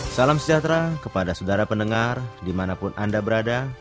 salam sejahtera kepada saudara pendengar dimanapun anda berada